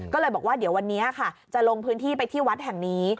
ก็เลยบอกว่าเดี๋ยววันนี้ค่ะจะลงพื้นที่ไปที่วัดแห่งนี้